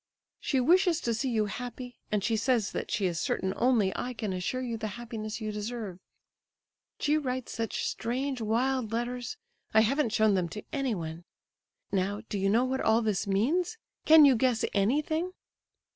She wishes to see you happy, and she says that she is certain only I can ensure you the happiness you deserve. She writes such strange, wild letters—I haven't shown them to anyone. Now, do you know what all this means? Can you guess anything?"